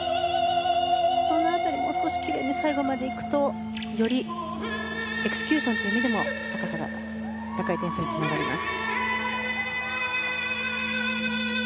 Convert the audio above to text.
その辺り、もう少しきれいに最後まで行くとよりエクスキューションという意味でも高い点数につながります。